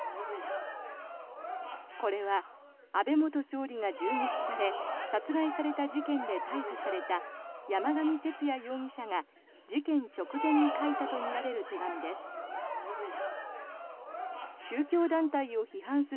これは、安倍元総理が銃撃され殺害された事件で逮捕された山上徹也容疑者が事件直前に書いたとみられる手紙です。